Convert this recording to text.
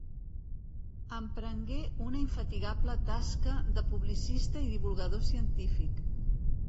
Emprengué una infatigable tasca de publicista i divulgador científic.